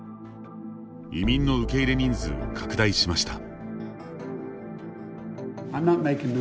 移民の受け入れ人数を拡大しました。